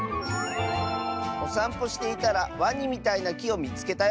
「おさんぽしていたらワニみたいなきをみつけたよ」。